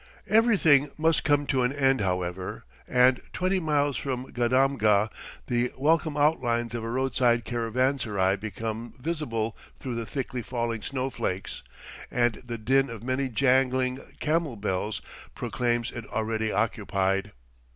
Everything must come to an end, however, and twenty miles from Gadamgah the welcome outlines of a road side caravanserai become visible through the thickly falling snow flakes, and the din of many jangling camel bells proclaims it already occupied.